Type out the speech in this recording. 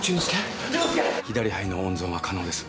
左肺の温存は可能です。